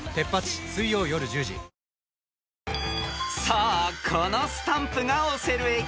［さあこのスタンプが押せる駅］